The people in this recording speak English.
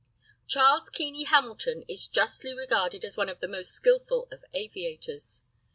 CHARLES KEENEY HAMILTON is justly regarded as one of the most skilful of aviators.